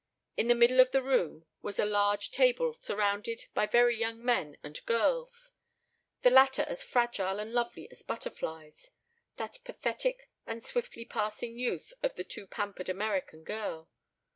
In the middle of the room was a large table surrounded by very young men and girls; the latter as fragile and lovely as butterflies: that pathetic and swiftly passing youth of the too pampered American girl.